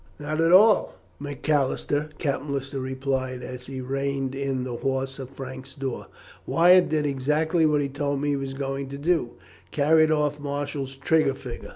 "Not at all, Macalister," Captain Lister replied, as he reined in the horse at Frank's door. "Wyatt did exactly what he told me he was going to do carried off Marshall's trigger finger.